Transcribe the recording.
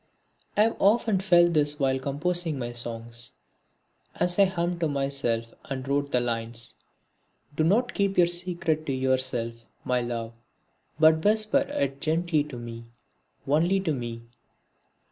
I have often felt this while composing my songs. As I hummed to myself and wrote the lines: Do not keep your secret to yourself, my love, But whisper it gently to me, only to me.